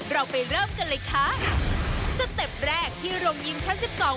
เราไปเริ่มกันเลยค่ะสเต็ปแรกที่โรงยิมชั้นสิบสอง